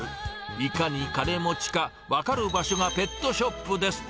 いかに金持ちか分かる場所がペットショップです。